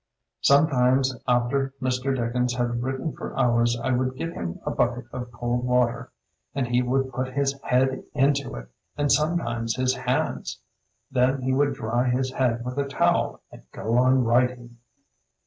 Some times after Mr. Dickens had written for hours I would get him a bucket of cold water, and he would put his head into it and sometimes his hands. Then he would dry his head with a towel and go on writing.